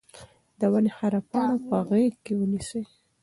د ونې هره پاڼه په غېږ کې ونیسئ.